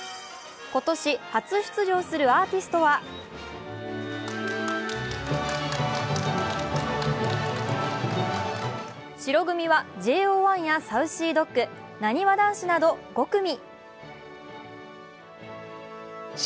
今年初出場するアーティストは白組はＪＯ１やＳａｕｃｙＤｏｇ、なにわ男子など５組。